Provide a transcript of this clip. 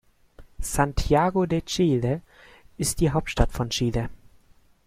Santiago de Chile ist die Hauptstadt von Chile.